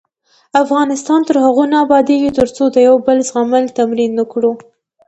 افغانستان تر هغو نه ابادیږي، ترڅو د یو بل زغمل تمرین نکړو.